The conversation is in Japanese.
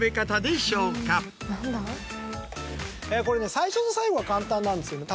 これね最初と最後は簡単なんです。